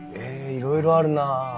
いろいろあるな。